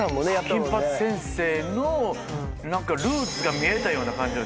金八先生のルーツが見えたような感じが。